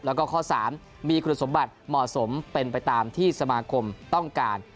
แล้วก็ข้อ๓มีคุณสมบัติเหมาะสมเป็นไปตามที่สมาคมต้องการ